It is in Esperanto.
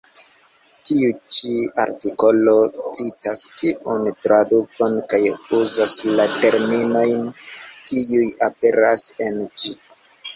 Tiu ĉi artikolo citas tiun tradukon kaj uzas la terminojn, kiuj aperas en ĝi.